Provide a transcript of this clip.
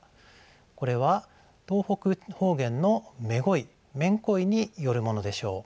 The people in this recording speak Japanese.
これは東北方言の「めごい」「めんこい」によるものでしょう。